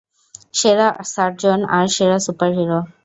সেরা সার্জন আর সেরা সুপারহিরো।